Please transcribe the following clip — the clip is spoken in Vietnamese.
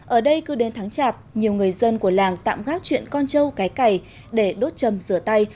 ở đây cứ đến tháng chạp nhiều người dân của làng tạm gác chuyện con trâu cái cày để đốt trầm rửa tay